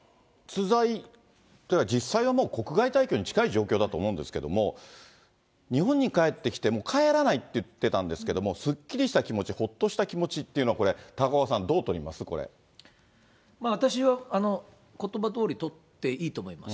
実際は国外退去に近い状態だと思うんですけども、日本に帰ってきて、帰らないって言ってたんですけども、すっきりした気持ち、ほっとした気持ちっていうのは、これ、高岡さん、私は、ことばどおり取っていいと思います。